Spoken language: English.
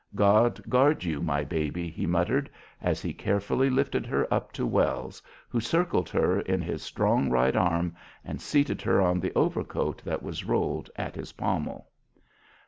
"God guard you, my baby," he muttered, as he carefully lifted her up to Wells, who circled her in his strong right arm, and seated her on the overcoat that was rolled at his pommel.